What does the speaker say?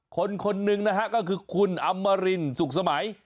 คนคนหนึ่งนะฮะก็คือคุณอำมารินสุขสมัย